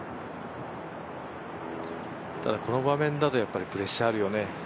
ただこの場面だとやっぱりプレッシャーあるよね。